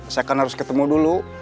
saya kan harus ketemu dulu